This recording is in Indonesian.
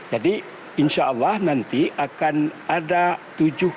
jadi insya allah nanti akan ada tujuh